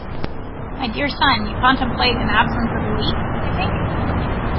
My dear son, you contemplate an absence of a week, I think?